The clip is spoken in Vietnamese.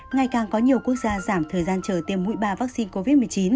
ngày càng có nhiều quốc gia giảm thời gian chờ tiêm mũi ba vaccine covid một mươi chín